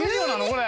これ。